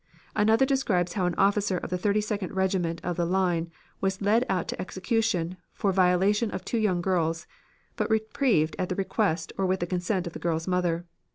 Another describes how an officer of the Thirty second Regiment of the Line was led out to execution for the violation of two young girls, but reprieved at the request or with the consent of the girls' mother.